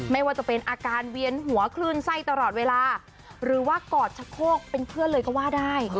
ไม่ว่าจะเป็นอาการเวียนหัวคลื่นไส้ตลอดเวลาหรือว่ากอดชะโคกเป็นเพื่อนเลยก็ว่าได้